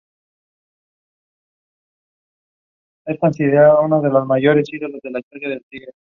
Se dice que tuvo un gran rango dinámico.